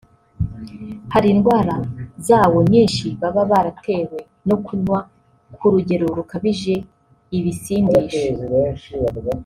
hari indwara zawo nyinshi baba baratewe no kunywa ku rugero rukabije ibisindisha